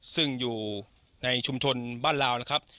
ซึ่งอยู่ในชุมชนบ้านลาวนะครับ